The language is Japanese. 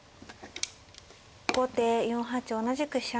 後手４八同じく飛車成。